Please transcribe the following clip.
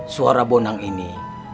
suara bonang ini